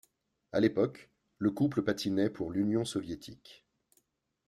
À l'époque le couple patinait pour l'Union soviétique.